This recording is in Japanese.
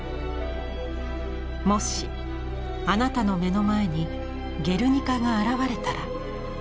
もしあなたの目の前に「ゲルニカ」が現れたら。